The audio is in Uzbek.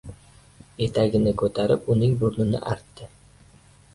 Etagini ko‘tarib, uning burnini artdi.